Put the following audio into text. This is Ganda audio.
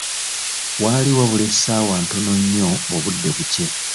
Waali wabula essaawa ntono nnyo obudde bukye.